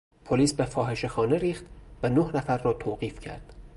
پلیس به فاحشه خانه ریخت و نه نفر را توقیف کرد.